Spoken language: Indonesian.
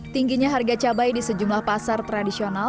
tingginya harga cabai di sejumlah pasar tradisional